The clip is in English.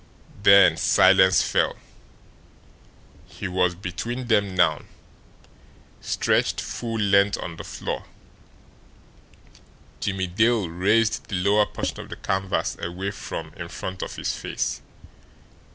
Then silence fell. He was between them now. Stretched full length on the floor, Jimmie Dale raised the lower portion of the canvas away from in front of his face.